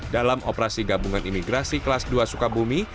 dalam operasi gabungan imigrasi kelas dua sukabumi